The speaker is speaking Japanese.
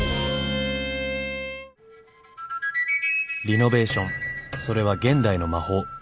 ［リノベーションそれは現代の魔法。］